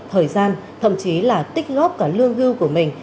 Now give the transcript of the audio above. thời gian thậm chí là tích góp cả lương hưu của mình